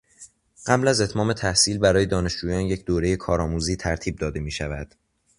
قبل از اتمام تحصیل برای دانشجویان یک دورهٔ کارآموزی ترتیب داده میشود.